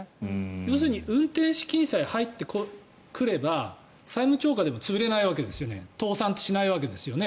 要するに運転資金さえ入ってくれば、債務超過でも潰れないわけですよね倒産しないわけですよね。